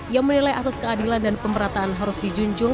ia menilai asas keadilan dan pemerataan harus dijunjung